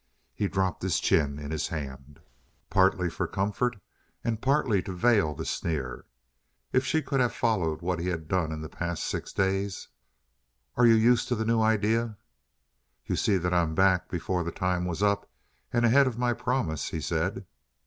He dropped his chin in his hand, partly for comfort and partly to veil the sneer. If she could have followed what he had done in the past six days! "And you are used to the new idea?" "You see that I'm back before the time was up and ahead of my promise," he said.